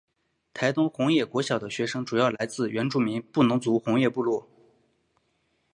台东红叶国小的学生主要来自原住民布农族红叶部落。